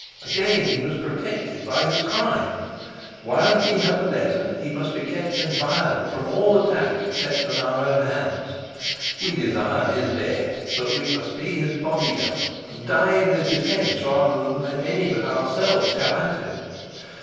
Again he was protected by his crime: while he had the letter, he must be kept inviolate from all attack except at our own hands. We desired his death, but we must be his body guard and die in his defense rather than let any other but ourselves come at him.